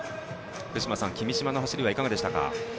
福島さん、君嶋の走りはいかがでしたか？